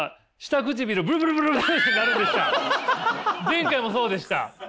前回もそうでした！